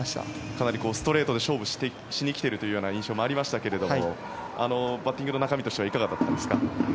かなりストレートで勝負しに来ているという印象もありましたがバッティングの中身としてはいかがだったんですか？